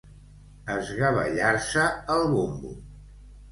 Esgavellar-se el bombo.